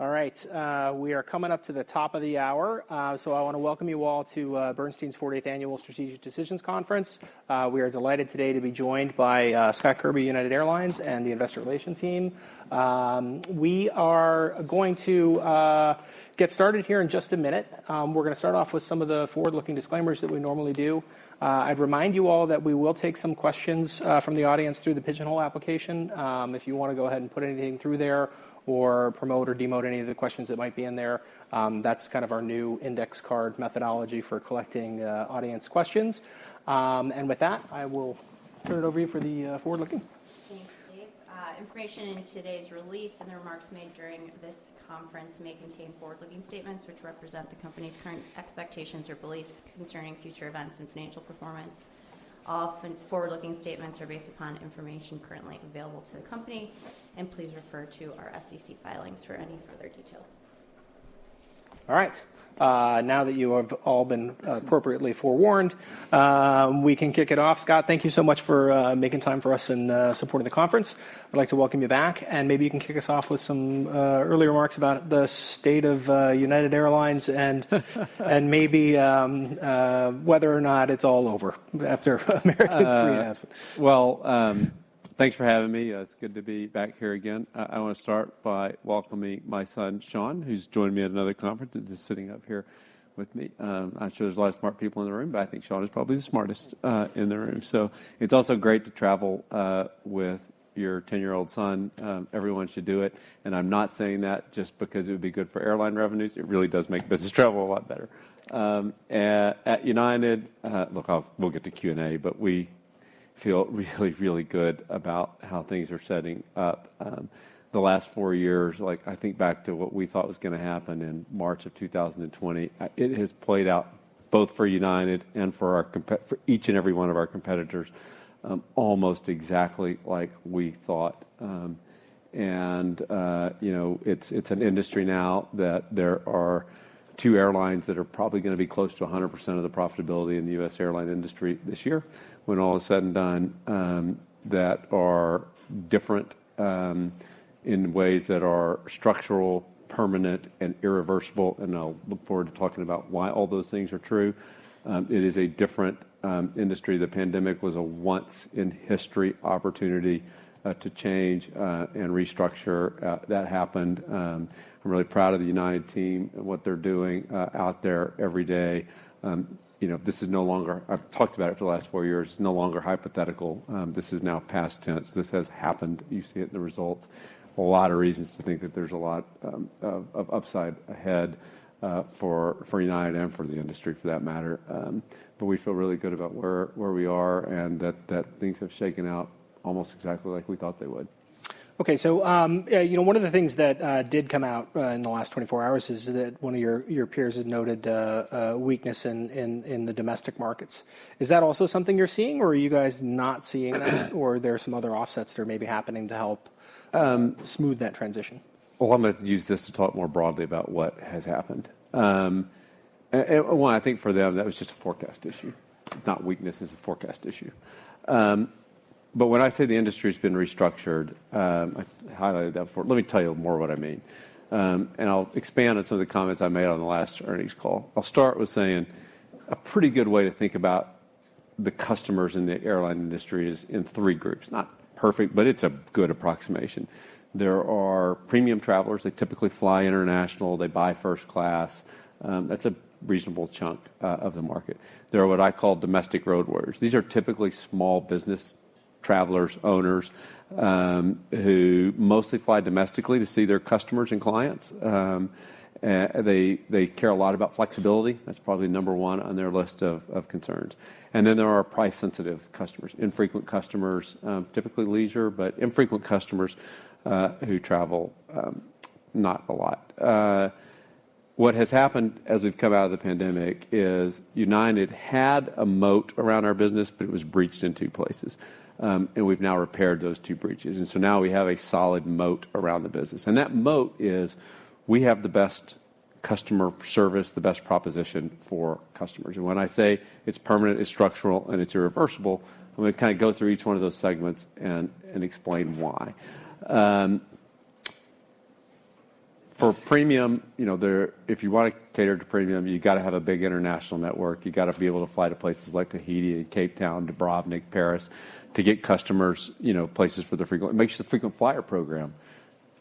All right, we are coming up to the top of the hour. So I want to welcome you all to Bernstein's 40th Annual Strategic Decisions Conference. We are delighted today to be joined by Scott Kirby, United Airlines, and the investor relations team. We are going to get started here in just a minute. We're going to start off with some of the forward-looking disclaimers that we normally do. I'd remind you all that we will take some questions from the audience through the Pigeonhole application. If you want to go ahead and put anything through there or promote or demote any of the questions that might be in there, that's kind of our new index card methodology for collecting audience questions. And with that, I will turn it over to you for the forward-looking. Thanks, Dave. Information in today's release and the remarks made during this conference may contain forward-looking statements, which represent the company's current expectations or beliefs concerning future events and financial performance. Often, forward-looking statements are based upon information currently available to the company, and please refer to our SEC filings for any further details. All right, now that you have all been appropriately forewarned, we can kick it off. Scott, thank you so much for making time for us and supporting the conference. I'd like to welcome you back, and maybe you can kick us off with some early remarks about the state of United Airlines and maybe whether or not it's all over after American's re-enhancement. Well, thanks for having me. It's good to be back here again. I want to start by welcoming my son, Sean, who's joined me at another conference and just sitting up here with me. I'm sure there's a lot of smart people in the room, but I think Sean is probably the smartest in the room. So it's also great to travel with your 10-year-old son. Everyone should do it, and I'm not saying that just because it would be good for airline revenues. It really does make business travel a lot better. At United, Look, we'll get to Q&A, but we feel really, really good about how things are setting up. The last four years, like, I think back to what we thought was going to happen in March of 2020, it has played out both for United and for our competitors, for each and every one of our competitors, almost exactly like we thought. And, you know, it's, it's an industry now that there are two airlines that are probably going to be close to 100% of the profitability in the U.S. airline industry this year, when all is said and done, that are different, in ways that are structural, permanent, and irreversible. And I'll look forward to talking about why all those things are true. It is a different, industry. The pandemic was a once-in-history opportunity, to change, and restructure. That happened. I'm really proud of the United team and what they're doing out there every day. You know, this is no longer, I've talked about it for the last four years. It's no longer hypothetical. This is now past tense. This has happened. You see it in the results. A lot of reasons to think that there's a lot of upside ahead for United and for the industry, for that matter. But we feel really good about where we are and that things have shaken out almost exactly like we thought they would. Okay, so, yeah, you know, one of the things that did come out in the last 24 hours is that one of your peers had noted a weakness in the domestic markets. Is that also something you're seeing, or are you guys not seeing that? Or are there some other offsets that are maybe happening to help smooth that transition? Well, I'm going to use this to talk more broadly about what has happened. And one, I think for them, that was just a forecast issue. Not weakness, it's a forecast issue. But when I say the industry has been restructured, I highlighted that before. Let me tell you more what I mean, and I'll expand on some of the comments I made on the last earnings call. I'll start with saying a pretty good way to think about the customers in the airline industry is in three groups. Not perfect, but it's a good approximation. There are premium travelers. They typically fly international. They buy first class. That's a reasonable chunk of the market. There are what I call domestic road warriors. These are typically small business travelers, owners, who mostly fly domestically to see their customers and clients. And they care a lot about flexibility. That's probably number one on their list of concerns. And then there are price-sensitive customers, infrequent customers, typically leisure, but infrequent customers, who travel not a lot. What has happened as we've come out of the pandemic is United had a moat around our business, but it was breached in two places. And we've now repaired those two breaches, and so now we have a solid moat around the business. And that moat is, we have the best customer service, the best proposition for customers. And when I say it's permanent, it's structural, and it's irreversible, I'm going to kind of go through each one of those segments and explain why. For premium, you know, there, if you want to cater to premium, you've got to have a big international network. You've got to be able to fly to places like Tahiti, Cape Town, Dubrovnik, Paris, to get customers, you know, places for their frequent, It makes the frequent flyer program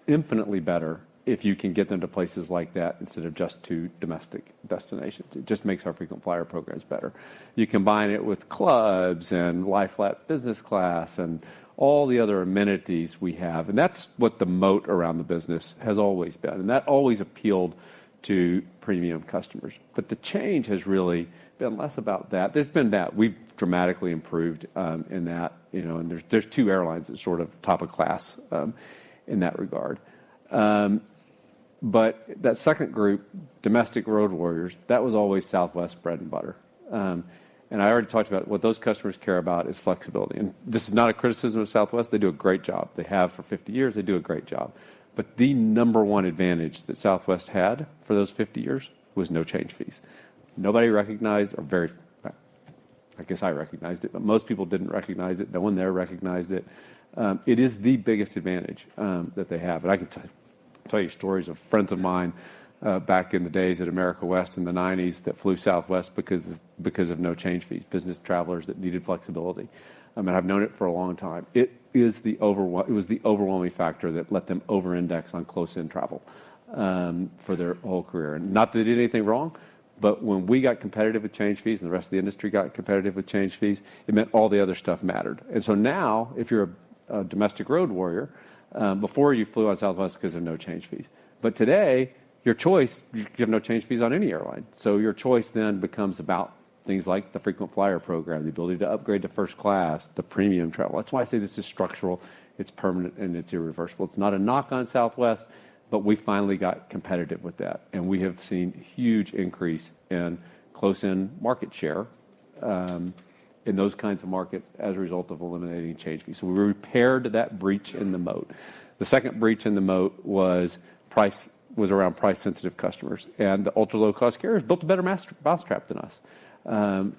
infinitely better if you can get them to places like that instead of just to domestic destinations. It just makes our frequent flyer programs better. You combine it with clubs and lie-flat business class and all the other amenities we have, and that's what the moat around the business has always been, and that always appealed to premium customers. But the change has really been less about that. There's been that. We've dramatically improved in that, you know, and there's two airlines that sort of top of class in that regard. But that second group, domestic road warriors, that was always Southwest's bread and butter. I already talked about what those customers care about is flexibility. This is not a criticism of Southwest. They do a great job. They have for 50 years. They do a great job. But the number one advantage that Southwest had for those 50 years was no change fees. Nobody recognized. I guess I recognized it, but most people didn't recognize it. No one there recognized it. It is the biggest advantage that they have, and I can tell you stories of friends of mine back in the days at America West in the '90s, that flew Southwest because of no change fees, business travelers that needed flexibility. I mean, I've known it for a long time. It was the overwhelming factor that let them over-index on close-in travel, for their whole career. Not that they did anything wrong, but when we got competitive with change fees, and the rest of the industry got competitive with change fees, it meant all the other stuff mattered. And so now, if you're a domestic road warrior, before you flew on Southwest 'cause of no change fees. But today, your choice, you have no change fees on any airline. So your choice then becomes about things like the frequent flyer program, the ability to upgrade to first class, the premium travel. That's why I say this is structural, it's permanent, and it's irreversible. It's not a knock on Southwest, but we finally got competitive with that, and we have seen huge increase in close-in market share, in those kinds of markets as a result of eliminating change fees. So we repaired that breach in the moat. The second breach in the moat was around price-sensitive customers, and the ultra-low-cost carriers built a better mousetrap than us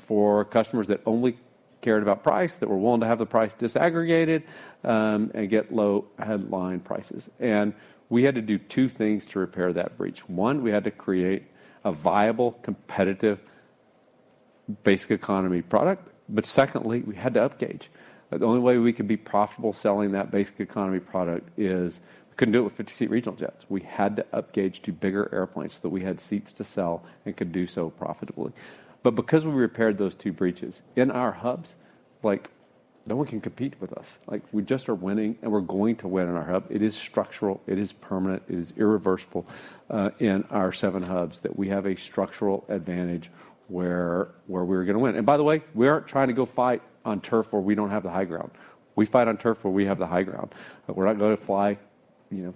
for customers that only cared about price, that were willing to have the price disaggregated, and get low headline prices. And we had to do two things to repair that breach. One, we had to create a viable, competitive, basic economy product, but secondly, we had to upgauge. The only way we could be profitable selling that basic economy product is we couldn't do it with 50-seat regional jets. We had to upgauge to bigger airplanes, so that we had seats to sell and could do so profitably. But because we repaired those two breaches, in our hubs, like, no one can compete with us. Like, we just are winning, and we're going to win in our hub. It is structural, it is permanent, it is irreversible in our seven hubs, that we have a structural advantage where we're gonna win. And by the way, we aren't trying to go fight on turf where we don't have the high ground. We fight on turf where we have the high ground. We're not going to fly, you know,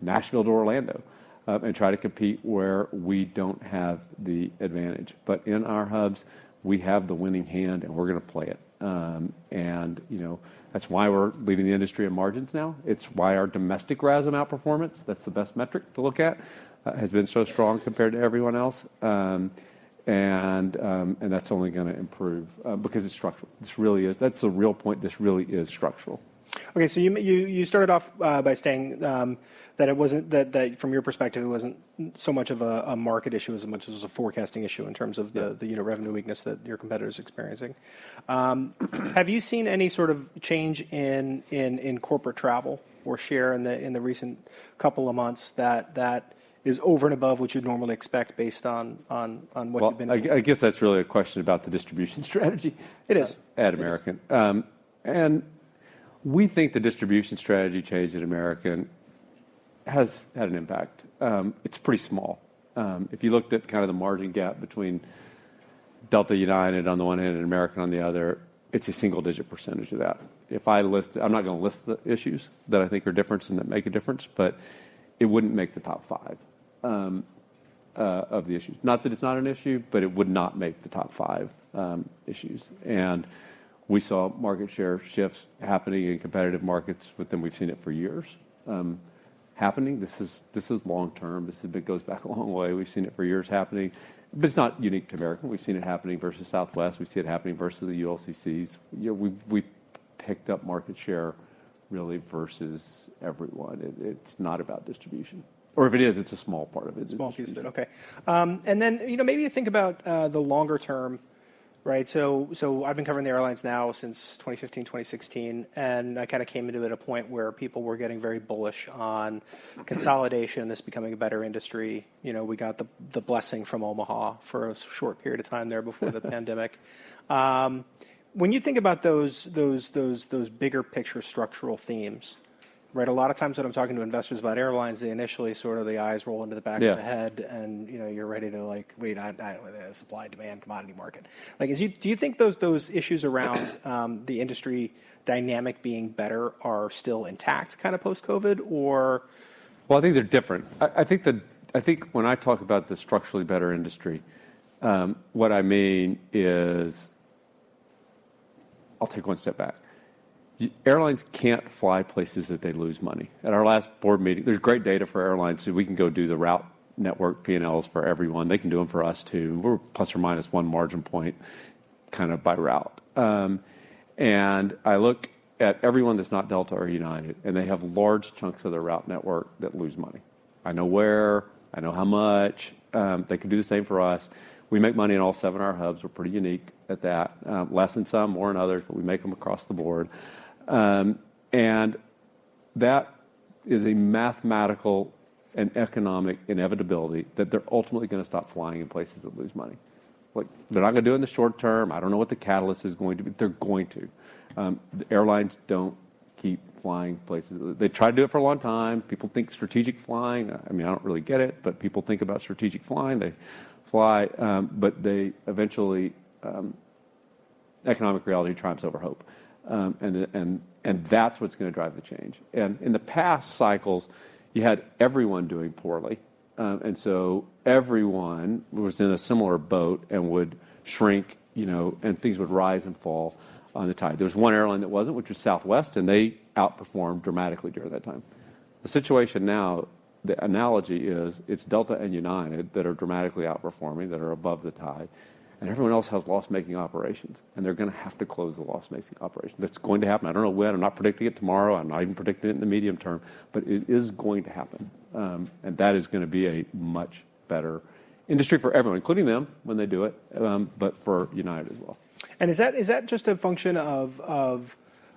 Nashville to Orlando and try to compete where we don't have the advantage. But in our hubs, we have the winning hand, and we're gonna play it. And, you know, that's why we're leading the industry in margins now. It's why our domestic RASM outperformance, that's the best metric to look at, has been so strong compared to everyone else. And that's only gonna improve because it's structural. This really is, That's the real point. This really is structural. Okay, so you started off by saying that it wasn't, that from your perspective, it wasn't so much of a market issue as much as it was a forecasting issue in terms of the- Yeah the unit revenue weakness that your competitor is experiencing. Have you seen any sort of change in corporate travel or share in the recent couple of months that is over and above what you'd normally expect, based on what you've been Well, I guess that's really a question about the distribution strategy It is at American. And we think the distribution strategy change at American has had an impact. It's pretty small. If you looked at kind of the margin gap between Delta and United on the one hand and American on the other, it's a single-digit percentage of that. I'm not gonna list the issues that I think are different and that make a difference, but it wouldn't make the top five of the issues. Not that it's not an issue, but it would not make the top five issues. And we saw market share shifts happening in competitive markets, but then we've seen it for years happening. This is, this is long-term. This goes back a long way. We've seen it for years happening, but it's not unique to American. We've seen it happening versus Southwest. We see it happening versus the ULCCs. You know, we've picked up market share really versus everyone. It's not about distribution, or if it is, it's a small part of it. A small piece of it, okay. And then, you know, maybe you think about the longer term, right? So, so I've been covering the airlines now since 2015, 2016, and I kind of came into it at a point where people were getting very bullish on consolidation Mm-hmm this becoming a better industry. You know, we got the blessing from Omaha for a short period of time there before the pandemic. When you think about those bigger picture structural themes, right? A lot of times when I'm talking to investors about airlines, they initially sort of their eyes roll into the back of the head- Yeah and, you know, you're ready to, like, "Wait, supply, demand, commodity market." Like, do you think those issues around the industry dynamic being better are still intact, kind of post-COVID, or? Well, I think they're different. I think when I talk about the structurally better industry, what I mean is, I'll take one step back. Airlines can't fly places that they lose money. At our last board meeting, there's great data for airlines, so we can go do the route network P&Ls for everyone. They can do them for us, too. We're ±1 margin point, kind of by route. I look at everyone that's not Delta or United, and they have large chunks of their route network that lose money. I know where, I know how much. They can do the same for us. We make money in all seven of our hubs. We're pretty unique at that. Less in some, more in others, but we make them across the board. And that is a mathematical and economic inevitability, that they're ultimately gonna stop flying in places that lose money. Like, they're not gonna do it in the short term. I don't know what the catalyst is going to be. They're going to. The airlines don't keep flying places. They try to do it for a long time. People think strategic flying, I mean, I don't really get it, but people think about strategic flying. They fly, but they eventually, economic reality triumphs over hope. And, and, and that's what's gonna drive the change. And in the past cycles, you had everyone doing poorly. And so everyone was in a similar boat and would shrink, you know, and things would rise and fall on the tide. There was one airline that wasn't, which was Southwest, and they outperformed dramatically during that time. The situation now, the analogy is, it's Delta and United that are dramatically outperforming, that are above the tide, and everyone else has loss-making operations, and they're gonna have to close the loss-making operations. That's going to happen. I don't know when. I'm not predicting it tomorrow, I'm not even predicting it in the medium term, but it is going to happen. That is gonna be a much better industry for everyone, including them, when they do it, but for United as well. Is that just a function of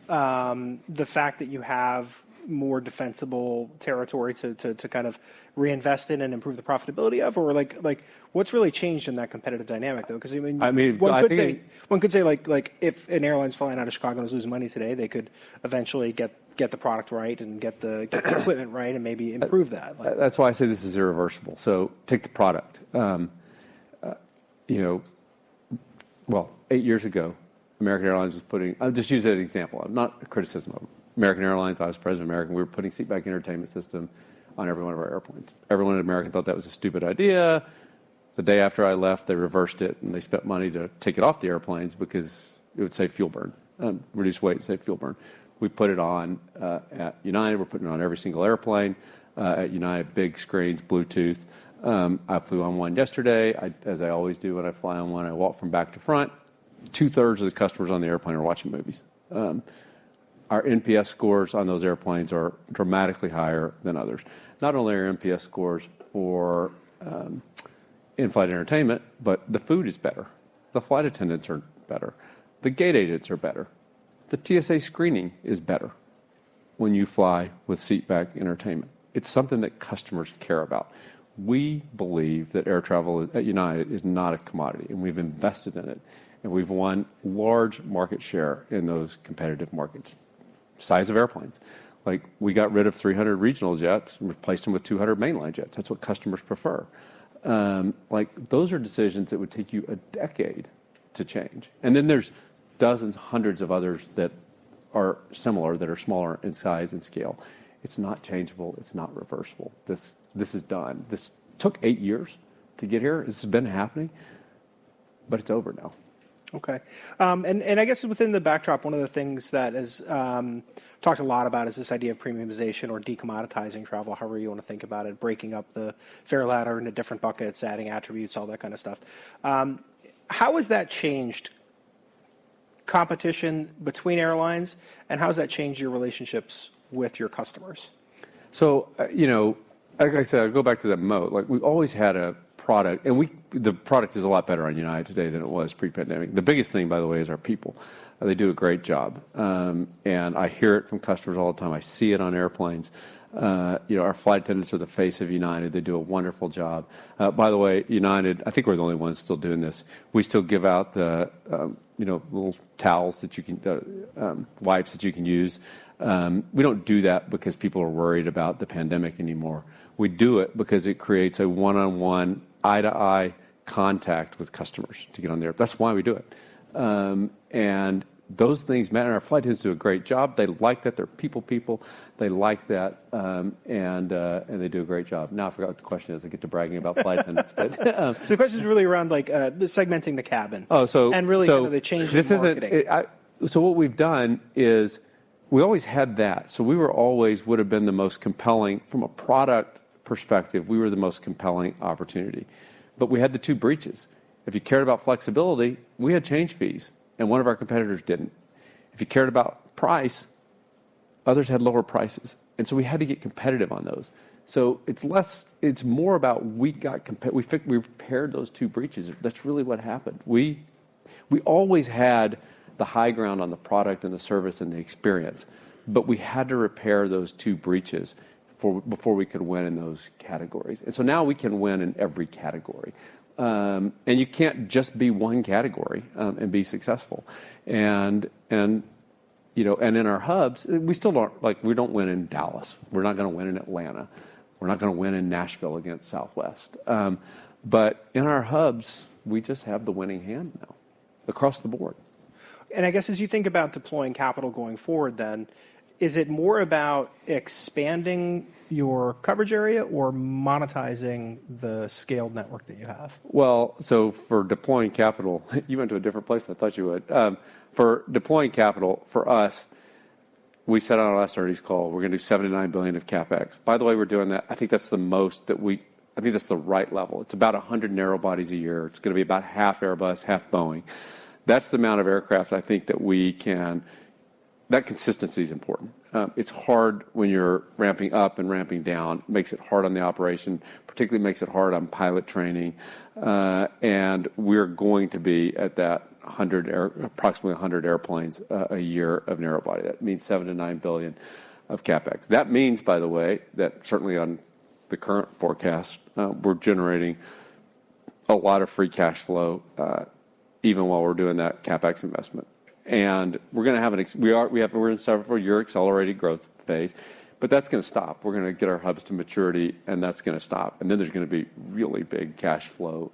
the fact that you have more defensible territory to kind of reinvest in and improve the profitability of? Or, like, what's really changed in that competitive dynamic, though? 'Cause I mean- I mean, I think- One could say, like, if an airline's flying out of Chicago and is losing money today, they could eventually get the product right and get the equipment right and maybe improve that. That's why I say this is irreversible. So take the product. You know, well, eight years ago, American Airlines was putting I'll just use it as an example, not a criticism of American Airlines. I was president of American, we were putting seatback entertainment system on every one of our airplanes. Everyone at American thought that was a stupid idea. The day after I left, they reversed it, and they spent money to take it off the airplanes because it would save fuel burn, reduce weight and save fuel burn. We put it on, at United. We're putting it on every single airplane, at United, big screens, Bluetooth. I flew on one yesterday. As I always do when I fly on one, I walk from back to front. Two-thirds of the customers on the airplane are watching movies. Our NPS scores on those airplanes are dramatically higher than others. Not only are our NPS scores for in-flight entertainment, but the food is better, the flight attendants are better, the gate agents are better. The TSA screening is better when you fly with seatback entertainment. It's something that customers care about. We believe that air travel at United is not a commodity, and we've invested in it, and we've won large market share in those competitive markets. Size of airplanes, like, we got rid of 300 regional jets and replaced them with 200 mainline jets. That's what customers prefer. Like, those are decisions that would take you a decade to change, and then there's dozens, hundreds of others that are similar, that are smaller in size and scale. It's not changeable. It's not reversible. This, this is done. This took 8 years to get here. This has been happening, but it's over now. Okay. And I guess within the backdrop, one of the things that is talked a lot about is this idea of premiumization or de-commoditizing travel, however you want to think about it, breaking up the fare ladder into different buckets, adding attributes, all that kind of stuff. How has that changed competition between airlines, and how has that changed your relationships with your customers? You know, like I said, I go back to that moat. Like, we've always had a product, and we, The product is a lot better on United today than it was pre-pandemic. The biggest thing, by the way, is our people. They do a great job. I hear it from customers all the time. I see it on airplanes. You know, our flight attendants are the face of United. They do a wonderful job. By the way, United, I think we're the only ones still doing this, we still give out the, you know, wipes that you can use. We don't do that because people are worried about the pandemic anymore. We do it because it creates a one-on-one, eye-to-eye contact with customers to get on the airplane. That's why we do it. And those things matter. And our flight attendants do a great job. They like that. They're people-people. They like that, and they do a great job. Now I forgot what the question is. I get to bragging about flight attendants, but The question is really around, like, segmenting the cabin Oh, so And really kind of the change in marketing. So what we've done is we always had that, so we were always would have been the most compelling from a product perspective. We were the most compelling opportunity. But we had the two breaches. If you cared about flexibility, we had change fees, and one of our competitors didn't. If you cared about price, others had lower prices, and so we had to get competitive on those. So it's less, it's more about we fixed, we repaired those two breaches. That's really what happened. We always had the high ground on the product and the service and the experience, but we had to repair those two breaches before we could win in those categories. And so now we can win in every category. And you can't just be one category, and be successful. You know, and in our hubs, we still don't, like, we don't win in Dallas. We're not gonna win in Atlanta. We're not gonna win in Nashville against Southwest. But in our hubs, we just have the winning hand now, across the board. I guess as you think about deploying capital going forward, then, is it more about expanding your coverage area or monetizing the scaled network that you have? Well, so for deploying capital, you went to a different place than I thought you would. For deploying capital, for us, we said on our last earnings call we're going to do $7 billion-$9 billion of CapEx. By the way, we're doing that, I think that's the most that we, I think that's the right level. It's about 100 narrow bodies a year. It's going to be about half Airbus, half Boeing. That's the amount of aircraft I think that we can, That consistency is important. It's hard when you're ramping up and ramping down, makes it hard on the operation, particularly makes it hard on pilot training. And we're going to be at that approximately 100 airplanes, a year of narrow body. That means $7 billion-$9 billion of CapEx. That means, by the way, that certainly on the current forecast, we're generating a lot of free cash flow, even while we're doing that CapEx investment. And we're in a several-year accelerated growth phase, but that's gonna stop. We're gonna get our hubs to maturity, and that's gonna stop, and then there's gonna be really big cash flow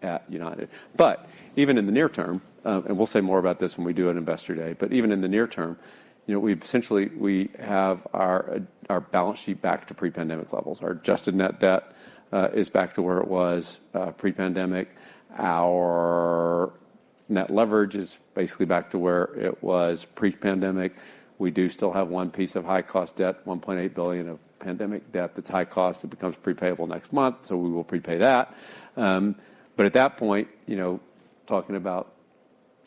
at United. But even in the near term, and we'll say more about this when we do an investor day, but even in the near term, you know, we've essentially we have our balance sheet back to pre-pandemic levels. Our adjusted net debt is back to where it was pre-pandemic. Our net leverage is basically back to where it was pre-pandemic. We do still have one piece of high-cost debt, $1.8 billion of pandemic debt that's high cost. It becomes prepayable next month, so we will prepay that. But at that point, you know, talking about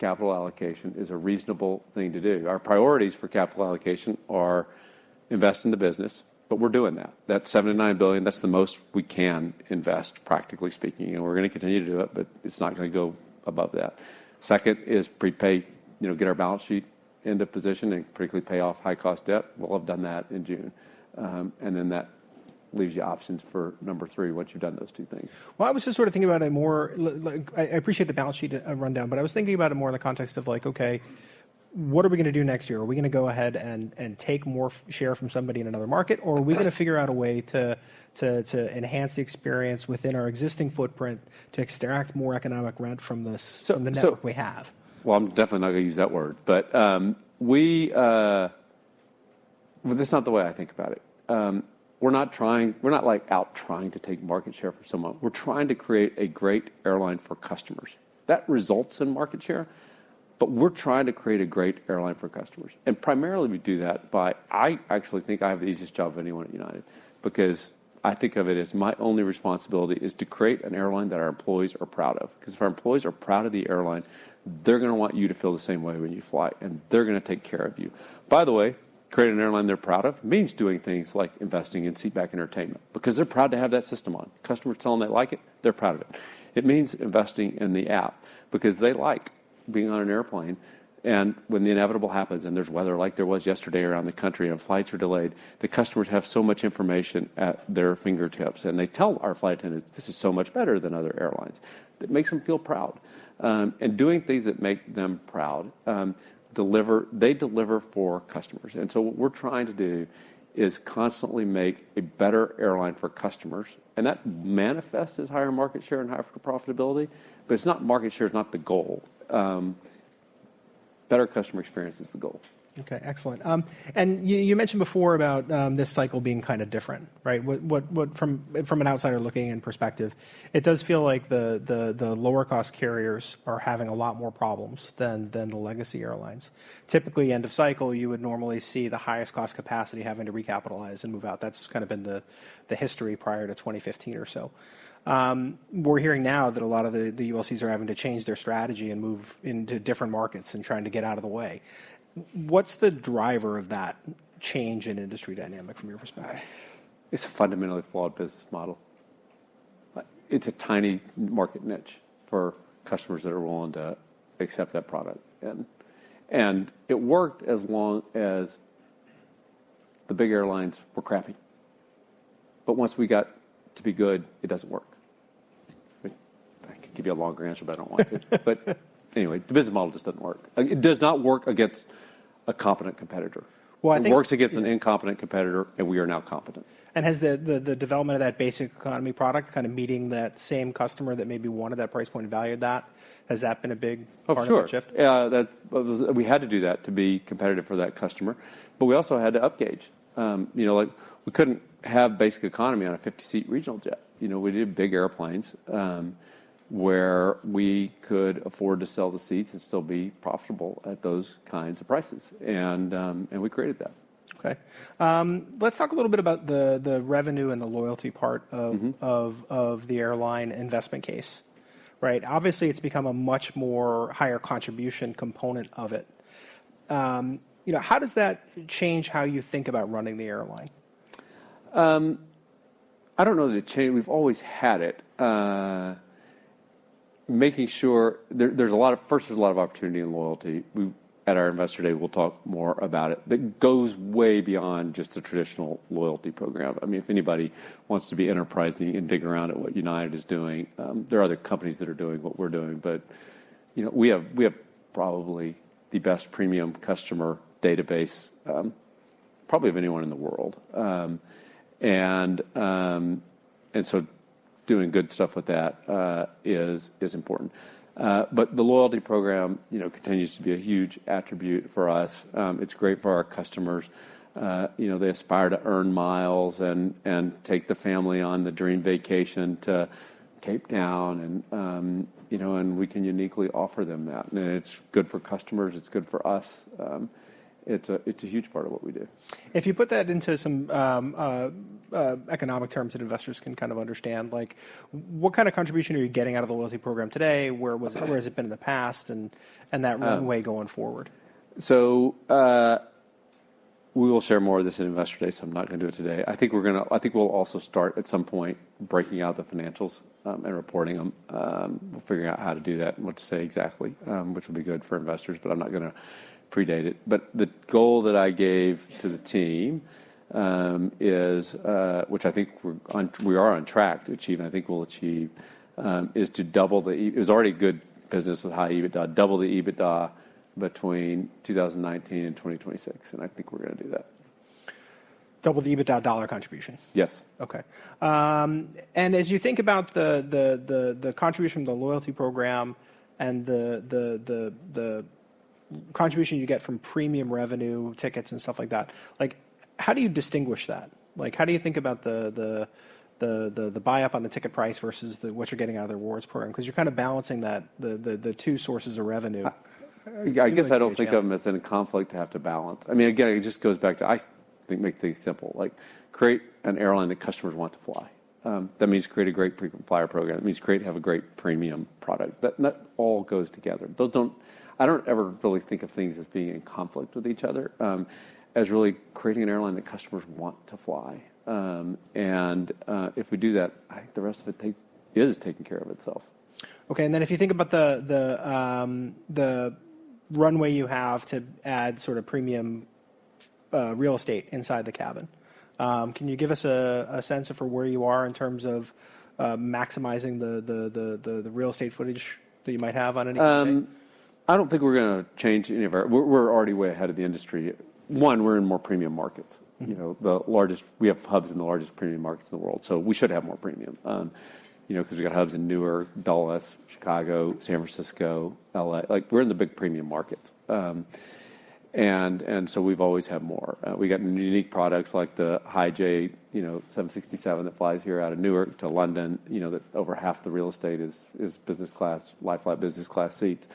capital allocation is a reasonable thing to do. Our priorities for capital allocation are invest in the business, but we're doing that. That $79 billion, that's the most we can invest, practically speaking, and we're gonna continue to do it, but it's not gonna go above that. Second is prepay, you know, get our balance sheet into position and practically pay off high-cost debt. We'll have done that in June. And then that leaves you options for number three, once you've done those two things. Well, I was just sort of thinking about a more like, I appreciate the balance sheet rundown, but I was thinking about it more in the context of, like, okay, what are we gonna do next year? Are we gonna go ahead and take more share from somebody in another market, or are we gonna figure out a way to enhance the experience within our existing footprint to extract more economic rent from this So, so from the network we have? Well, I'm definitely not gonna use that word, but, Well, that's not the way I think about it. We're not trying, we're not, like, out trying to take market share from someone. We're trying to create a great airline for customers. That results in market share, but we're trying to create a great airline for customers, and primarily we do that by, I actually think I have the easiest job of anyone at United, because I think of it as my only responsibility is to create an airline that our employees are proud of. 'Cause if our employees are proud of the airline, they're gonna want you to feel the same way when you fly, and they're gonna take care of you. By the way, creating an airline they're proud of means doing things like investing in seatback entertainment because they're proud to have that system on. Customers tell 'em they like it, they're proud of it. It means investing in the app because they like being on an airplane, and when the inevitable happens, and there's weather like there was yesterday around the country, and flights are delayed, the customers have so much information at their fingertips, and they tell our flight attendants, "This is so much better than other airlines." It makes them feel proud. And doing things that make them proud, they deliver for customers. And so what we're trying to do is constantly make a better airline for customers, and that manifests as higher market share and higher profitability, but it's not, market share is not the goal. Better customer experience is the goal. Okay, excellent. And you mentioned before about this cycle being kind of different, right? What from an outsider looking-in perspective, it does feel like the lower-cost carriers are having a lot more problems than the legacy airlines. Typically, end of cycle, you would normally see the highest cost capacity having to recapitalize and move out. That's kind of been the history prior to 2015 or so. We're hearing now that a lot of the ULCs are having to change their strategy and move into different markets and trying to get out of the way. What's the driver of that change in industry dynamic from your perspective? It's a fundamentally flawed business model. It's a tiny market niche for customers that are willing to accept that product, and it worked as long as the big airlines were crappy. But once we got to be good, it doesn't work. I could give you a longer answer, but I don't want to. But anyway, the business model just doesn't work. It does not work against a competent competitor. Well, I think It works against an incompetent competitor, and we are no competent. Has the development of that Basic Economy product kind of meeting that same customer that maybe wanted that price point and valued that, has that been a big- Oh, sure part of the shift? Yeah, that was, We had to do that to be competitive for that customer, but we also had to upgauge. You know, like, we couldn't have basic economy on a 50-seat regional jet. You know, we did big airplanes, where we could afford to sell the seat and still be profitable at those kinds of prices, and, and we created that. Okay. Let's talk a little bit about the revenue and the loyalty part of- Mm-hmm of the airline investment case, right? Obviously, it's become a much more higher contribution component of it. You know, how does that change how you think about running the airline? I don't know that it changed. We've always had it. First, there's a lot of opportunity in loyalty. We, at our Investor Day, we'll talk more about it, that goes way beyond just the traditional loyalty program. I mean, if anybody wants to be enterprising and dig around at what United is doing, there are other companies that are doing what we're doing, but, you know, we have, we have probably the best premium customer database, probably of anyone in the world. And so doing good stuff with that is important. But the loyalty program, you know, continues to be a huge attribute for us. It's great for our customers. You know, they aspire to earn miles and take the family on the dream vacation to Cape Town, and, you know, and we can uniquely offer them that. It's good for customers, it's good for us. It's a huge part of what we do. If you put that into some economic terms that investors can kind of understand, like, what kind of contribution are you getting out of the loyalty program today? Okay. Where has it been in the past, and that Uh runway going forward? So, we will share more of this at Investor Day, so I'm not gonna do it today. I think we'll also start, at some point, breaking out the financials and reporting them, figuring out how to do that and what to say exactly, which will be good for investors, but I'm not gonna predate it. But the goal that I gave to the team is, which I think we're on, we are on track to achieve, and I think we'll achieve, is to double the, it was already good business with high EBITDA, double the EBITDA between 2019 and 2026, and I think we're gonna do that. Double the EBITDA dollar contribution? Yes. Okay. And as you think about the contribution of the loyalty program and the contribution you get from premium revenue, tickets, and stuff like that, like, how do you distinguish that? Like, how do you think about the buy-up on the ticket price versus what you're getting out of the rewards program? 'Cause you're kind of balancing that, the two sources of revenue. I guess I don't think of them as in a conflict to have to balance. I mean, again, it just goes back to, I think, make things simple. Like, create an airline that customers want to fly. That means create a great frequent flyer program. It means create, have a great premium product. That all goes together. Those don't I don't ever really think of things as being in conflict with each other, as really creating an airline that customers want to fly. And if we do that, I think the rest of it is taken care of itself. Okay, and then if you think about the runway you have to add sort of premium real estate inside the cabin, can you give us a sense for where you are in terms of maximizing the real estate footage that you might have on any given day? I don't think we're gonna change any of our, We're already way ahead of the industry. One, we're in more premium markets. Mm-hmm. You know, the largest. We have hubs in the largest premium markets in the world, so we should have more premium. You know, 'cause we've got hubs in Newark, Dulles, Chicago, San Francisco, LA. Like, we're in the big premium markets. And so we've always had more. We got unique products like the High-J, you know, 767 that flies here out of Newark to London, you know, that over half the real estate is business class, lie-flat business class seats.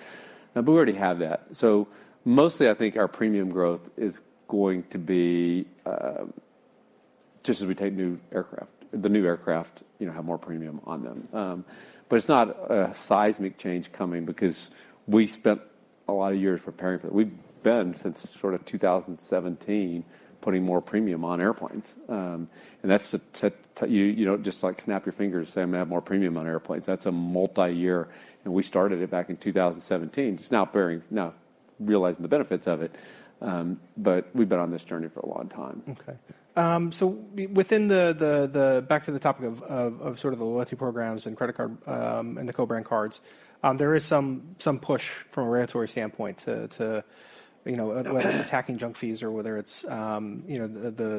Now, we already have that. So mostly, I think our premium growth is going to be just as we take new aircraft. The new aircraft, you know, have more premium on them. But it's not a seismic change coming because we spent a lot of years preparing for it. We've been, since sort of 2017, putting more premium on airplanes. And that's a. You don't just, like, snap your fingers and say, "I'm gonna have more premium on airplanes." That's a multi-year, and we started it back in 2017. Just now beginning, now realizing the benefits of it. But we've been on this journey for a long time. Okay. Back to the topic of sort of the loyalty programs and credit card, and the co-brand cards, there is some push from a regulatory standpoint to you know, whether it's attacking junk fees or whether it's you know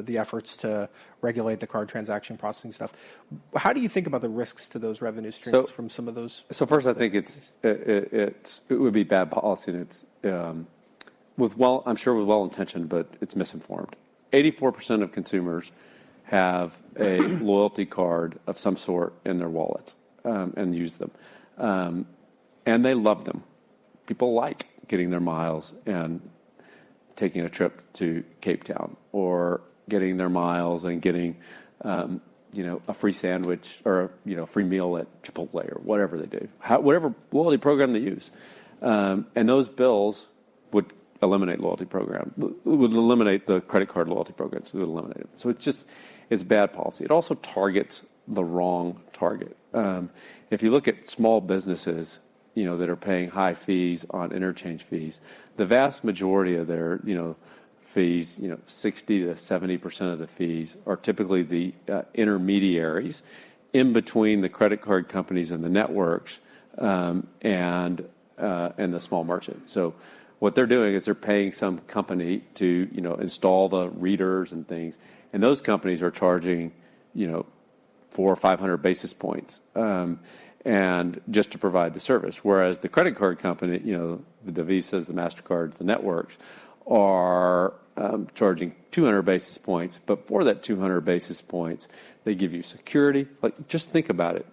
the efforts to regulate the card transaction processing stuff. How do you think about the risks to those revenue streams? So from some of those? So first, I think it would be bad policy, and it's well-intentioned, but it's misinformed. 84% of consumers have a loyalty card of some sort in their wallets, and use them. And they love them. People like getting their miles and taking a trip to Cape Town, or getting their miles and getting, you know, a free sandwich or, you know, a free meal at Chipotle or whatever they do. Whatever loyalty program they use. And those bills would eliminate loyalty program, would eliminate the credit card loyalty programs. It would eliminate it. So it's just, it's bad policy. It also targets the wrong target. If you look at small businesses, you know, that are paying high fees on interchange fees, the vast majority of their, you know, fees, you know, 60%-70% of the fees are typically the intermediaries in between the credit card companies and the networks, and the small merchant. So what they're doing is they're paying some company to, you know, install the readers and things, and those companies are charging, you know, 400 or 500 basis points, and just to provide the service. Whereas the credit card company, you know, the Visas, the Mastercards, the networks, are charging 200 basis points. But for that 200 basis points, they give you security. Like, just think about it,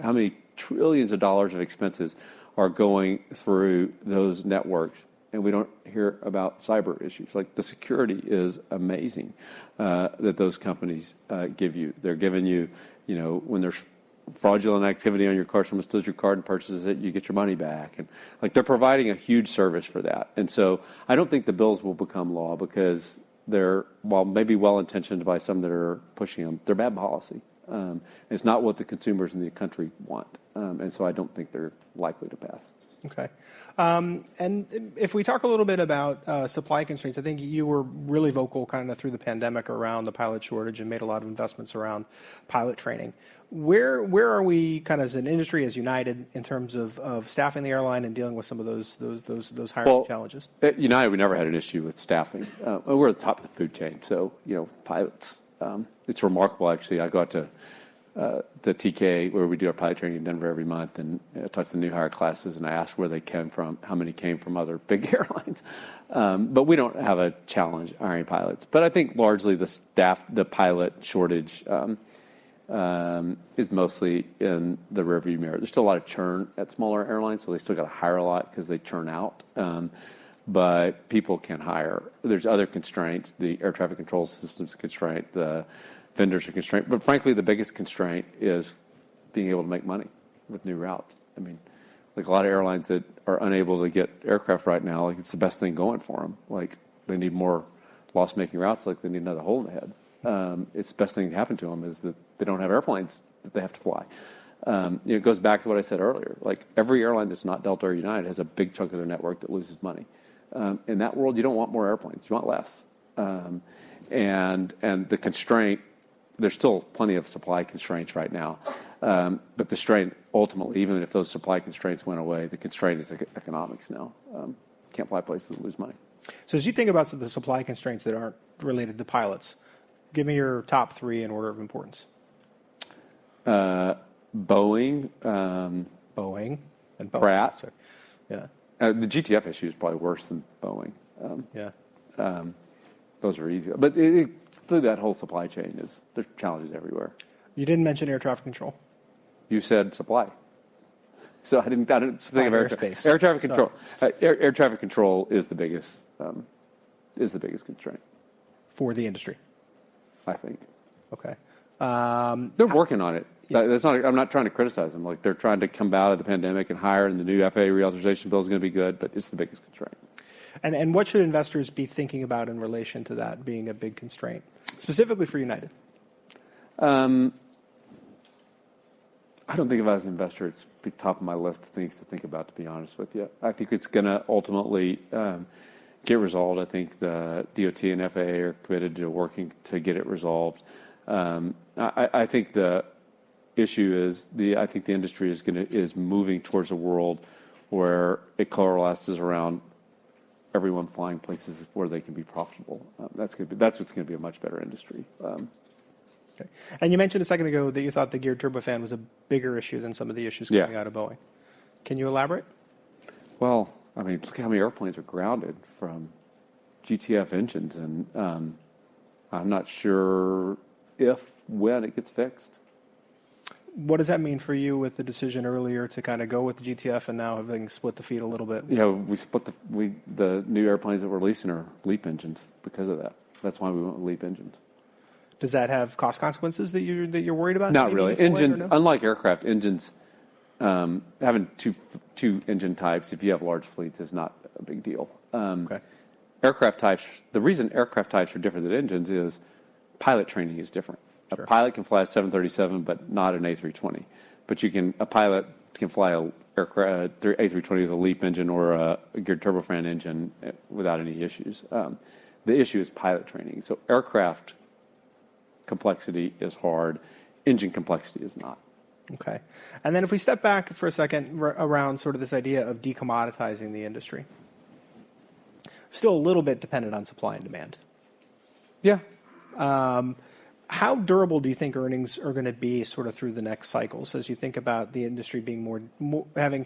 how many trillions of dollars in expenses are going through those networks, and we don't hear about cyber issues. Like, the security is amazing that those companies give you. They're giving you, You know, when there's fraudulent activity on your card, someone steals your card and purchases it, you get your money back. And, like, they're providing a huge service for that. And so I don't think the bills will become law because they're, while maybe well-intentioned by some that are pushing them, they're bad policy, and it's not what the consumers in the country want. And so I don't think they're likely to pass. Okay. And if we talk a little bit about supply constraints, I think you were really vocal, kind of through the pandemic, around the pilot shortage and made a lot of investments around pilot training. Where are we kind of as an industry, as United, in terms of staffing the airline and dealing with some of those hiring challenges? Well, at United, we never had an issue with staffing. We're at the top of the food chain, so, you know, pilots... It's remarkable, actually. I go out to the TK, where we do our pilot training in Denver every month, and I talk to the new hire classes, and I ask where they came from, how many came from other big airlines. But we don't have a challenge hiring pilots. But I think largely the staff, the pilot shortage, is mostly in the rearview mirror. There's still a lot of churn at smaller airlines, so they still got to hire a lot 'cause they churn out. But people can hire. There's other constraints. The air traffic control system's a constraint. The vendors are a constraint. But frankly, the biggest constraint is being able to make money with new routes. I mean, like, a lot of airlines that are unable to get aircraft right now, like, it's the best thing going for them. Like, they need more loss making routes look like they need another hole in the head. It's the best thing to happen to them, is that they don't have airplanes that they have to fly. You know, it goes back to what I said earlier. Like, every airline that's not Delta or United has a big chunk of their network that loses money. In that world, you don't want more airplanes, you want less. And the constraint, there's still plenty of supply constraints right now. But the constraint, ultimately, even if those supply constraints went away, the constraint is economics now. Can't fly places and lose money. As you think about some of the supply constraints that aren't related to pilots, give me your top three in order of importance? Boeing, Boeing and Pratt. Yeah. The GTF issue is probably worse than Boeing. Yeah. Those are easier. But it, through that whole supply chain, there's challenges everywhere. You didn't mention air traffic control. You said supply, so I didn't think of air Or airspace. Air traffic control. Sorry. Air traffic control is the biggest constraint. For the industry? I think. Okay. Um They're working on it. Yeah. I'm not trying to criticize them. Like, they're trying to come out of the pandemic and hire, and the new FAA Reauthorization Bill is going to be good, but it's the biggest constraint. What should investors be thinking about in relation to that being a big constraint, specifically for United? I don't think of it as an investor. It's not at the top of my list of things to think about, to be honest with you. I think it's going to ultimately get resolved. I think the DOT and FAA are committed to working to get it resolved. I think the issue is the, I think the industry is gonna, is moving towards a world where it coalesces around everyone flying places where they can be profitable. That's gonna be-- That's what's going to be a much better industry. Okay. And you mentioned a second ago that you thought the Geared Turbofan was a bigger issue than some of the issues- Yeah coming out of Boeing. Can you elaborate? Well, I mean, just look how many airplanes are grounded from GTF engines, and I'm not sure if, when it gets fixed. What does that mean for you with the decision earlier to kind of go with the GTF and now having split the fleet a little bit? You know, the new airplanes that we're releasing are LEAP engines because of that. That's why we want LEAP engines. Does that have cost consequences that you're worried about? Not really. Going forward? No. Engines, unlike aircraft, engines, having two engine types if you have large fleets is not a big deal. Okay. Aircraft types, the reason aircraft types are different than engines is pilot training is different. Sure. A pilot can fly a 737, but not an A320. But a pilot can fly an aircraft, an A320 with a LEAP engine or a Geared Turbofan engine without any issues. The issue is pilot training. So aircraft complexity is hard, engine complexity is not. Okay. Then if we step back for a second, around sort of this idea of decommoditizing the industry. Still a little bit dependent on supply and demand. Yeah. How durable do you think earnings are going to be sort of through the next cycles, as you think about the industry being more having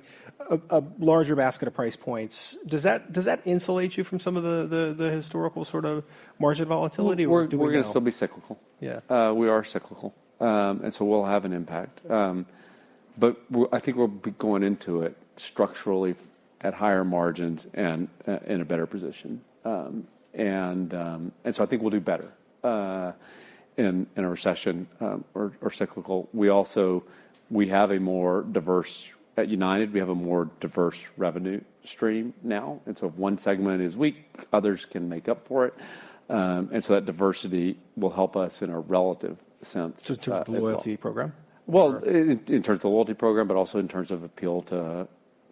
a larger basket of price points? Does that insulate you from some of the historical sort of margin volatility, or do we know? We're going to still be cyclical. Yeah. We are cyclical. And so we'll have an impact. But I think we'll be going into it structurally at higher margins and in a better position. And so I think we'll do better in a recession or cyclical. We also, at United, have a more diverse revenue stream now, and so if one segment is weak, others can make up for it. And so that diversity will help us in a relative sense Just in terms of the loyalty program? Well, in terms of the loyalty program, but also in terms of appeal to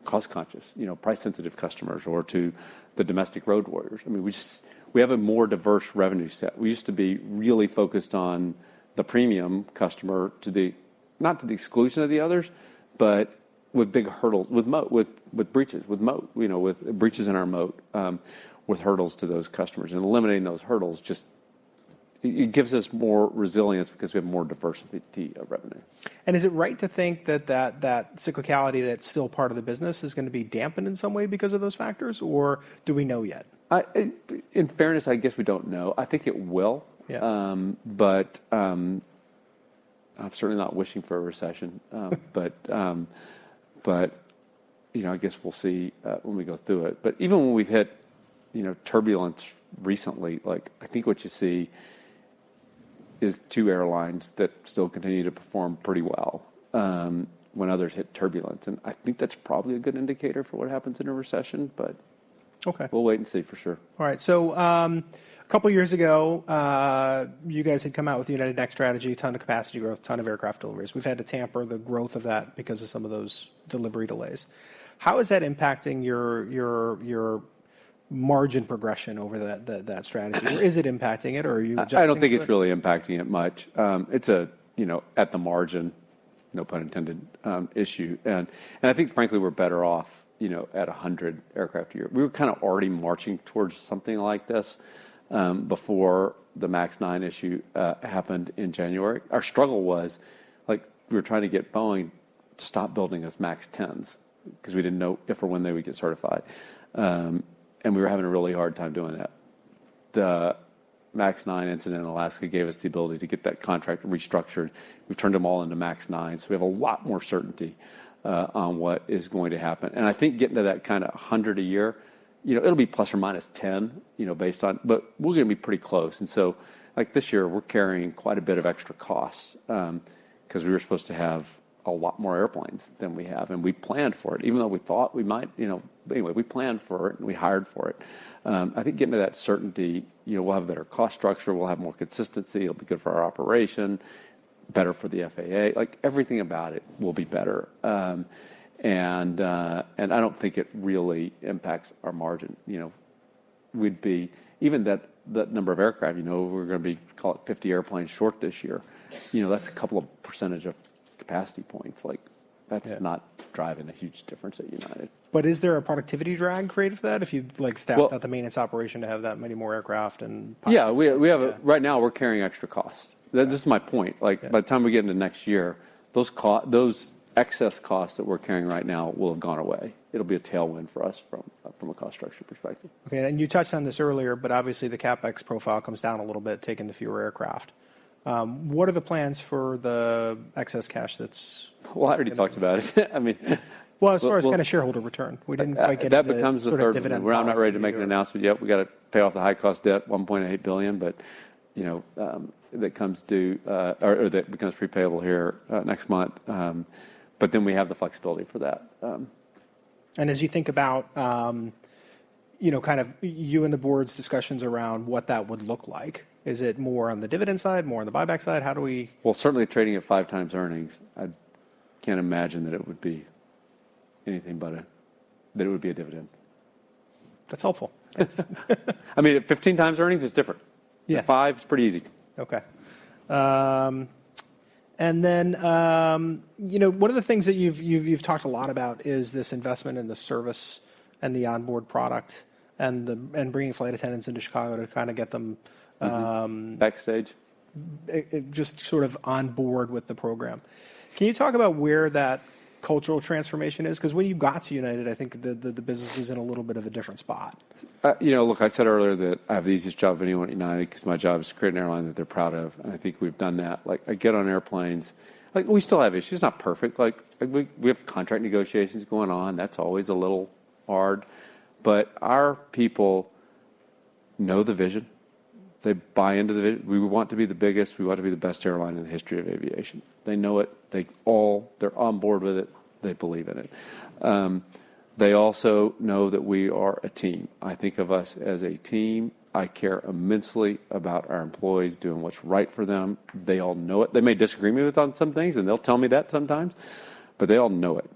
cost-conscious, you know, price-sensitive customers or to the domestic road warriors. I mean, we just have a more diverse revenue set. We used to be really focused on the premium customer, not to the exclusion of the others, but with big hurdles, with moat, with breaches, with moat, you know, with breaches in our moat, with hurdles to those customers. And eliminating those hurdles just gives us more resilience because we have more diversity of revenue. Is it right to think that that cyclicality that's still part of the business is going to be dampened in some way because of those factors, or do we know yet? I, in fairness, I guess we don't know. I think it will. Yeah. But, I'm certainly not wishing for a recession. But, you know, I guess we'll see when we go through it. But even when we've hit, you know, turbulence recently, like, I think what you see is two airlines that still continue to perform pretty well, when others hit turbulence. And I think that's probably a good indicator for what happens in a recession, but Okay we'll wait and see for sure. All right. So, a couple of years ago, you guys had come out with United Next strategy, ton of capacity growth, ton of aircraft deliveries. We've had to tamper the growth of that because of some of those delivery delays. How is that impacting your margin progression over that strategy? Or is it impacting it, or are you just I don't think it's really impacting it much. It's a, you know, at the margin, no pun intended, issue, and I think frankly, we're better off, you know, at 100 aircraft a year. We were kind of already marching towards something like this, before the MAX 9 issue happened in January. Our struggle was, like, we were trying to get Boeing to stop building us MAX 10s because we didn't know if or when they would get certified. And we were having a really hard time doing that. The MAX 9 incident in Alaska gave us the ability to get that contract restructured. We turned them all into MAX 9s, so we have a lot more certainty on what is going to happen. And I think getting to that kind of 100 a year, you know, it'll be ±10, you know, based on... But we're going to be pretty close. And so, like this year, we're carrying quite a bit of extra costs, 'cause we were supposed to have a lot more airplanes than we have, and we planned for it. Even though we thought we might, you know... But anyway, we planned for it, and we hired for it. I think getting to that certainty, you know, we'll have a better cost structure, we'll have more consistency, it'll be good for our operation. Better for the FAA. Like, everything about it will be better. And I don't think it really impacts our margin. You know, we'd be even that, that number of aircraft, you know, we're going to be, call it, 50 airplanes short this year. You know, that's a couple of percentage of capacity points. Like Yeah that's not driving a huge difference at United. Is there a productivity drag created for that if you, like, staffed- Well out the maintenance operation to have that many more aircraft and pilots? Yeah, we have a, Right now, we're carrying extra costs. Right. That is my point. Yeah. Like, by the time we get into next year, those those excess costs that we're carrying right now will have gone away. It'll be a tailwind for us from, from a cost structure perspective. Okay, and you touched on this earlier, but obviously, the CapEx profile comes down a little bit, taking the fewer aircraft. What are the plans for the excess cash that's Well, I already talked about it. I mean Well, as far as kind of shareholder return, we didn't quite get to the That becomes the third dividend. dividend analysis. We're not ready to make an announcement yet. We've got to pay off the high-cost debt, $1.8 billion, but, you know, that comes due, or that becomes pre-payable here, next month. But then we have the flexibility for that. As you think about, you know, kind of you and the board's discussions around what that would look like, is it more on the dividend side, more on the buyback side? How do we Well, certainly trading at 5x earnings, I can't imagine that it would be anything but a That it would be a dividend. That's helpful. I mean, at 15x earnings, it's different. Yeah. At five, it's pretty easy. Okay. And then, you know, one of the things that you've talked a lot about is this investment in the service and the onboard product and the and bringing flight attendants into Chicago to kind of get them, Mm-hmm. Backstage. Just sort of on board with the program. Can you talk about where that cultural transformation is? 'Cause when you got to United, I think the business was in a little bit of a different spot. You know, look, I said earlier that I have the easiest job of anyone at United 'cause my job is to create an airline that they're proud of, and I think we've done that. Like, I get on airplanes... Like, we still have issues, not perfect. Like, we have contract negotiations going on. That's always a little hard. But our people know the vision. They buy into the vision. We want to be the biggest, we want to be the best airline in the history of aviation. They know it. They all, they're on board with it. They believe in it. They also know that we are a team. I think of us as a team. I care immensely about our employees doing what's right for them. They all know it. They may disagree with me on some things, and they'll tell me that sometimes, but they all know it,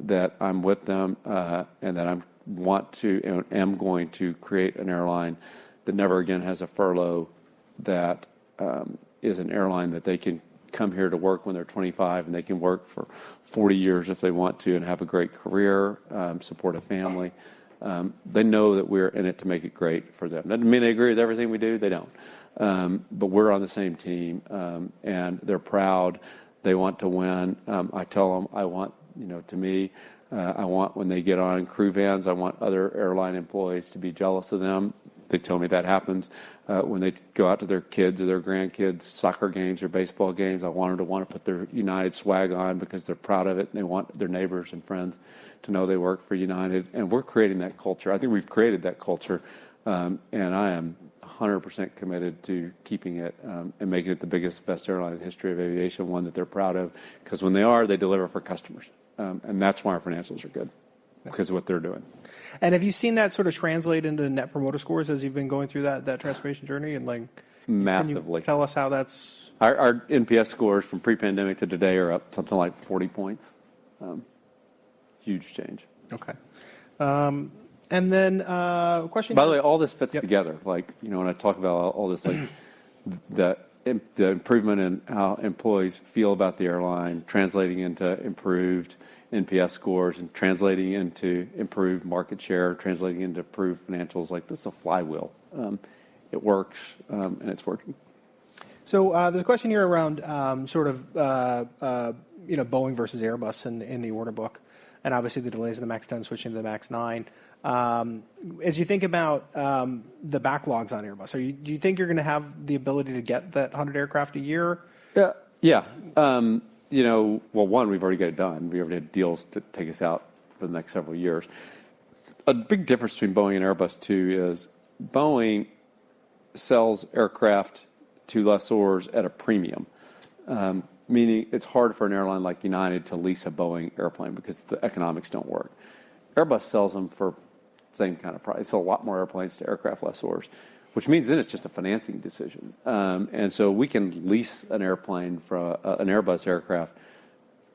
that I'm with them, and that I want to and am going to create an airline that never again has a furlough, that is an airline that they can come here to work when they're 25, and they can work for 40 years if they want to and have a great career, support a family. They know that we're in it to make it great for them. Doesn't mean they agree with everything we do. They don't. But we're on the same team, and they're proud. They want to win. I tell them, I want you know, to me, I want when they get on crew vans, I want other airline employees to be jealous of them. They tell me that happens. When they go out to their kids' or their grandkids' soccer games or baseball games, I want them to want to put their United swag on because they're proud of it, and they want their neighbors and friends to know they work for United, and we're creating that culture. I think we've created that culture, and I am 100% committed to keeping it, and making it the biggest, best airline in the history of aviation, one that they're proud of, 'cause when they are, they deliver for customers. And that's why our financials are good- Okay because of what they're doing. Have you seen that sort of translate into net promoter scores as you've been going through that transformation journey and, like Massively. Can you tell us how that's Our NPS scores from pre-pandemic to today are up something like 40 points. Huge change. Okay. And then, question By the way, all this fits together. Yep. Like, you know, when I talk about all this, like the improvement in how employees feel about the airline translating into improved NPS scores and translating into improved market share, translating into improved financials, like, this is a flywheel. It works, and it's working. There's a question here around, sort of, you know, Boeing versus Airbus in the order book, and obviously, the delays in the MAX 10 switching to the MAX 9. As you think about the backlogs on Airbus, do you think you're going to have the ability to get that 100 aircraft a year? Yeah, yeah. You know, well, one, we've already got it done. We already have deals to take us out for the next several years. A big difference between Boeing and Airbus, too, is Boeing sells aircraft to lessors at a premium, meaning it's hard for an airline like United to lease a Boeing airplane because the economics don't work. Airbus sells them for the same kind of price. They sell a lot more airplanes to aircraft lessors, which means then it's just a financing decision. And so we can lease an airplane from an Airbus aircraft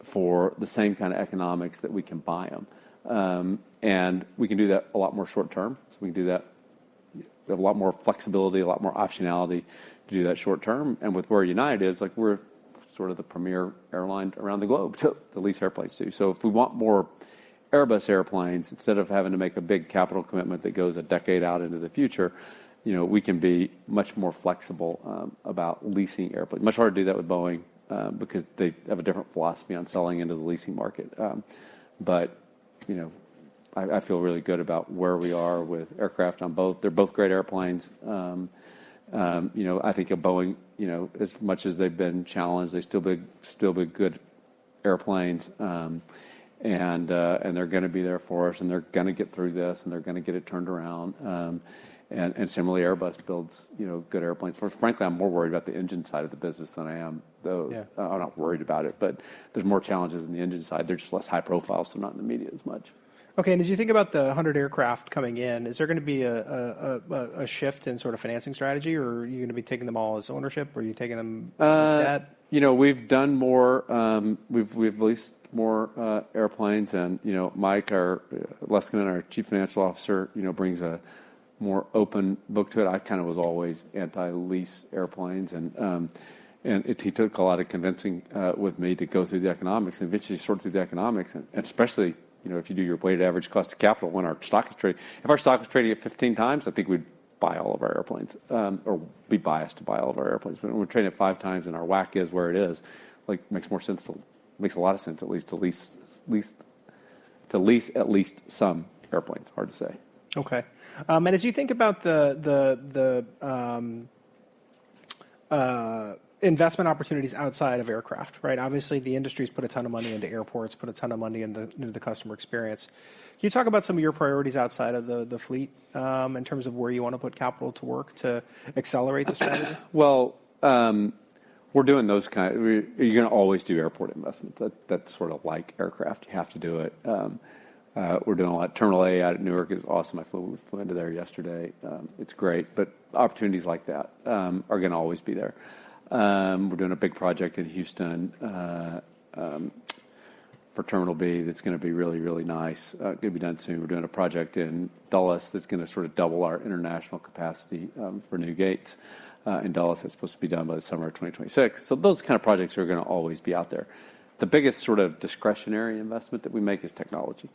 for the same kind of economics that we can buy them. And we can do that a lot more short term, so we can do that, We have a lot more flexibility, a lot more optionality to do that short term. With where United is, like, we're sort of the premier airline around the globe to, to lease airplanes to. So if we want more Airbus airplanes, instead of having to make a big capital commitment that goes a decade out into the future, you know, we can be much more flexible about leasing airplanes. Much harder to do that with Boeing because they have a different philosophy on selling into the leasing market. But, you know, I feel really good about where we are with aircraft on both. They're both great airplanes. You know, I think of Boeing, you know, as much as they've been challenged, they're still big, still big good airplanes. And they're going to be there for us, and they're going to get through this, and they're going to get it turned around. And similarly, Airbus builds, you know, good airplanes. But frankly, I'm more worried about the engine side of the business than I am those. Yeah. I'm not worried about it, but there's more challenges on the engine side. They're just less high profile, so not in the media as much. Okay, and as you think about the 100 aircraft coming in, is there going to be a shift in sort of financing strategy, or are you going to be taking them all as ownership? Or are you taking them with that? You know, we've done more, we've leased more airplanes than, You know, Mike, our Leskinen, our Chief Financial Officer, you know, brings a more open book to it. I kind of was always anti-lease airplanes, and he took a lot of convincing with me to go through the economics. And eventually he sorted through the economics and especially, you know, if you do your weighted average cost of capital, when our stock is trading. If our stock was trading at 15x, I think we'd buy all of our airplanes, or be biased to buy all of our airplanes. But when we're trading at 5x and our WACC is where it is, like, makes a lot of sense at least to lease at least some airplanes. Hard to say. Okay. And as you think about the investment opportunities outside of aircraft, right? Obviously, the industry's put a ton of money into airports, put a ton of money into the customer experience. Can you talk about some of your priorities outside of the fleet, in terms of where you want to put capital to work to accelerate the strategy? Well, we're doing those kinds. You're gonna always do airport investments. That's sort of like aircraft. You have to do it. We're doing a lot. Terminal A out at Newark is awesome. I flew into there yesterday. It's great, but opportunities like that are gonna always be there. We're doing a big project in Houston for Terminal B, that's gonna be really, really nice. It's gonna be done soon. We're doing a project in Dulles that's gonna sort of double our international capacity for new gates. In Dulles, that's supposed to be done by the summer of 2026. So those kind of projects are gonna always be out there. The biggest sort of discretionary investment that we make is technology.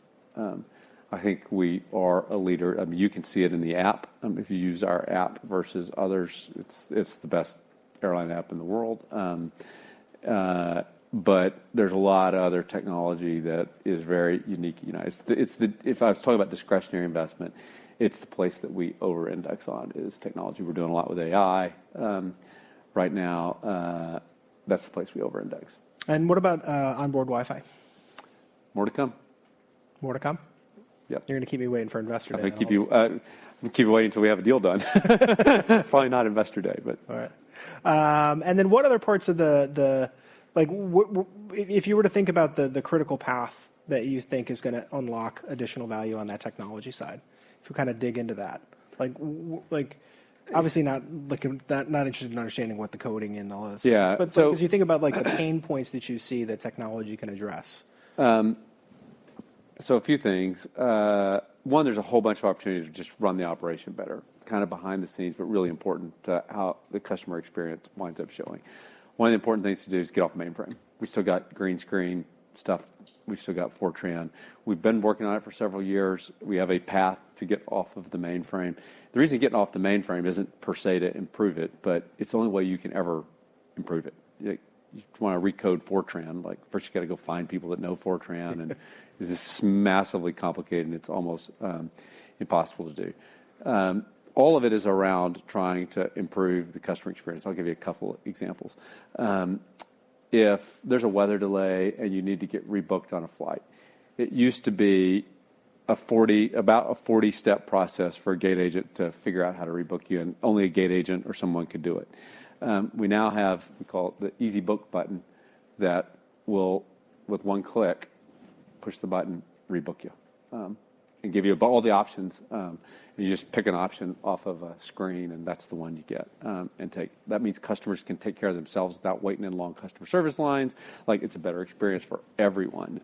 I think we are a leader. You can see it in the app. If you use our app versus others, it's the best airline app in the world. But there's a lot of other technology that is very unique at United. If I was talking about discretionary investment, it's the place that we over-index on is technology. We're doing a lot with AI. Right now, that's the place we over-index. What about onboard Wi-Fi? More to come. More to come? Yep. You're gonna keep me waiting for Investor Day, huh? I'm gonna keep you, keep you waiting until we have a deal done. Probably not Investor Day, but All right. And then what other parts of the like what? If you were to think about the critical path that you think is gonna unlock additional value on that technology side, if you kind of dig into that? Like, like, obviously not interested in understanding what the coding and all is. Yeah. So As you think about, like, the pain points that you see that technology can address. So a few things. One, there's a whole bunch of opportunities to just run the operation better, kind of behind the scenes, but really important to how the customer experience winds up showing. One of the important things to do is get off the mainframe. We've still got green screen stuff. We've still got Fortran. We've been working on it for several years. We have a path to get off of the mainframe. The reason getting off the mainframe isn't per se to improve it, but it's the only way you can ever improve it. Like, you wanna recode Fortran, like, first you gotta go find people that know Fortran, and it is massively complicated, and it's almost, impossible to do. All of it is around trying to improve the customer experience. I'll give you a couple of examples. If there's a weather delay and you need to get rebooked on a flight, it used to be a 40, about a 40-step process for a gate agent to figure out how to rebook you, and only a gate agent or someone could do it. We now have, we call it the Easy Book button, that will, with one click, push the button, rebook you, and give you all the options. You just pick an option off of a screen, and that's the one you get, and take. That means customers can take care of themselves without waiting in long customer service lines. Like, it's a better experience for everyone,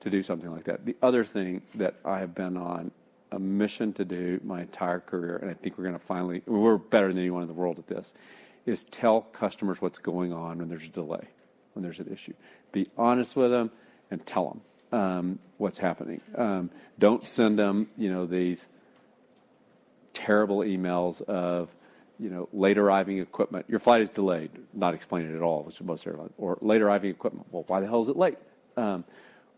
to do something like that. The other thing that I have been on a mission to do my entire career, and I think we're gonna finally. We're better than anyone in the world at this, is tell customers what's going on when there's a delay, when there's an issue. Be honest with them and tell them what's happening. Don't send them, you know, these terrible emails of, you know, late-arriving equipment. "Your flight is delayed," not explaining it at all, which most airlines. Or late-arriving equipment. Well, why the hell is it late?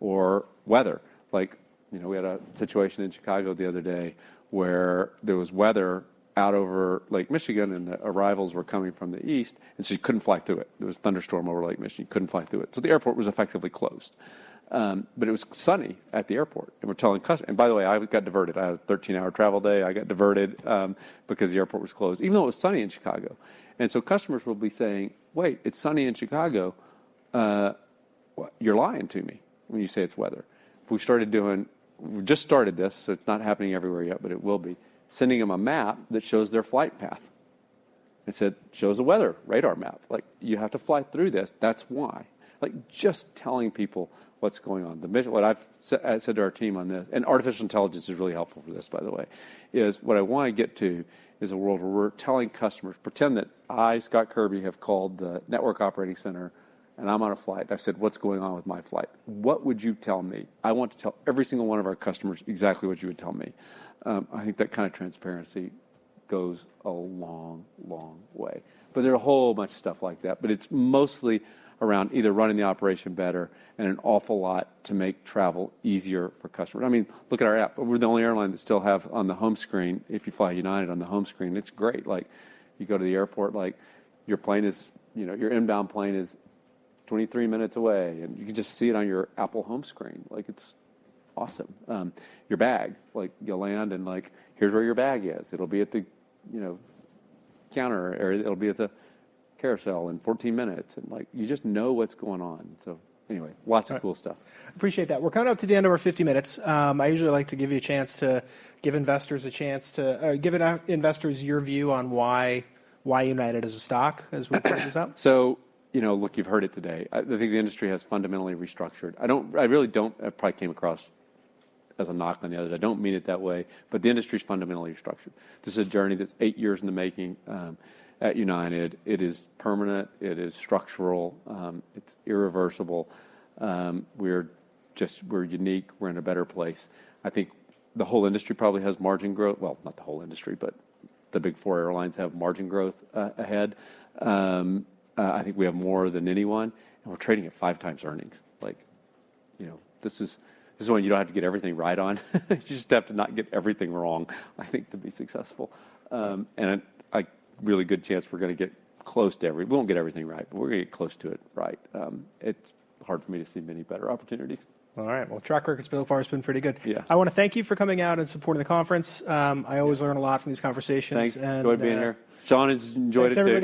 Or weather. Like, you know, we had a situation in Chicago the other day where there was weather out over Lake Michigan, and the arrivals were coming from the east, and so you couldn't fly through it. There was a thunderstorm over Lake Michigan. You couldn't fly through it. So the airport was effectively closed. But it was sunny at the airport, and we're telling custom-- And by the way, I got diverted. I had a 13-hour travel day. I got diverted, because the airport was closed, even though it was sunny in Chicago. And so customers will be saying: "Wait, it's sunny in Chicago. What, you're lying to me when you say it's weather." We started doing. We just started this, so it's not happening everywhere yet, but it will be, sending them a map that shows their flight path. It said, shows a weather radar map. Like, you have to fly through this. That's why. Like, just telling people what's going on. What I've said, I said to our team on this, and artificial intelligence is really helpful for this, by the way, is what I wanna get to is a world where we're telling customers, pretend that I, Scott Kirby, have called the network operating center, and I'm on a flight, and I've said, "What's going on with my flight?" What would you tell me? I want to tell every single one of our customers exactly what you would tell me. I think that kind of transparency goes a long, long way. But there are a whole bunch of stuff like that, but it's mostly around either running the operation better and an awful lot to make travel easier for customers. I mean, look at our app. We're the only airline that still have on the home screen, if you fly United, on the home screen, it's great. Like, you go to the airport, like, your plane is, you know, your inbound plane is 23 minutes away, and you can just see it on your Apple home screen. Like, it's awesome. Your bag, like, you'll land and, like, here's where your bag is. It'll be at the, you know, counter or it'll be at the carousel in 14 minutes. And like, you just know what's going on. So anyway, lots of cool stuff. Appreciate that. We're coming up to the end of our 50 minutes. I usually like to give you a chance to give investors your view on why United as a stock, as we close this out. So, you know, look, you've heard it today. I think the industry has fundamentally restructured. I don't, I really don't, I probably came across as a knock on the others. I don't mean it that way, but the industry is fundamentally restructured. This is a journey that's eight years in the making at United. It is permanent, it is structural, it's irreversible. We're just, we're unique. We're in a better place. I think the whole industry probably has margin growth. Well, not the whole industry, but the big four airlines have margin growth ahead. I think we have more than anyone, and we're trading at five times earnings. Like, you know, this is, this is one you don't have to get everything right on. You just have to not get everything wrong, I think, to be successful. A really good chance we're gonna get close to every, We won't get everything right, but we're gonna get close to it right. It's hard for me to see many better opportunities. All right. Well, track record so far has been pretty good. Yeah. I wanna thank you for coming out and supporting the conference. I always learn a lot from these conversations. Thanks. Enjoyed being here. John has enjoyed it, too.